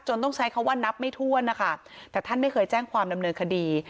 ต้องใช้คำว่านับไม่ถ้วนนะคะแต่ท่านไม่เคยแจ้งความดำเนินคดี